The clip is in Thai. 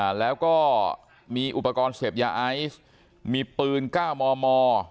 แล้วก็มีอุปกรณ์เสพยาไอซ์มีปืนเก้ามอมอ